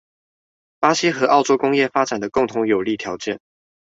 巴西和澳洲工業發展的共同有利條件